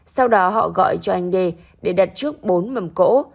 sau đó họ gọi cho anh đê để đặt trước bốn mầm cỗ